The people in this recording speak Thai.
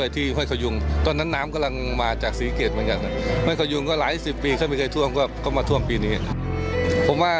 อ่ะช่องสองอาทิตย์ที่แล้วเนี้ยของ๐๔มีคำภูมินะหมา